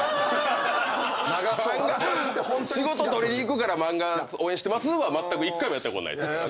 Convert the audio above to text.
漫画仕事取りに行くから漫画応援してますは１回もやったことない。